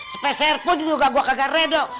sepeser pun juga gua kagak reda dong